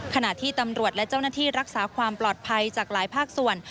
ขณะที่ตำรวจและเจ้าหน้าที่รักษาความปลอดภัยจากหลายภาคส่วน